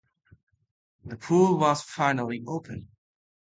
The pool was finally open.